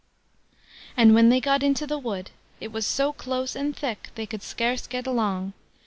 But when they got into the wood, it was so close and thick, they could scarce get along.